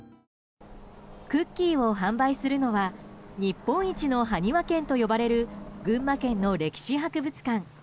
クッキーを販売するのは日本一のハニワ県と呼ばれる群馬県の歴史博物館。